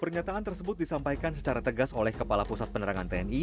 pernyataan tersebut disampaikan secara tegas oleh kepala pusat penerangan tni